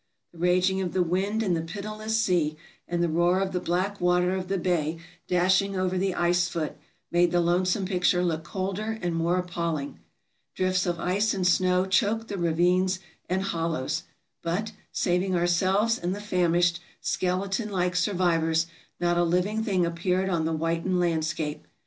The raging of the wind and the pitiless sea, and the roar of the black water of the bay dashing over the ice foot, made the lonesome picture look colder and more appalling. Drifts of ice and snow choked the ravines and hollows; but, saving ourselves and the famished, skeleton like survivors, not a living thing appeared on the whitened landscape.